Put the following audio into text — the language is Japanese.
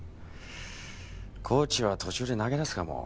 コーチは途中で投げ出すかも。